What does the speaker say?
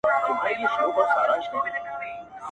• اوس پير شرميږي د ملا تر سترگو بـد ايـسو.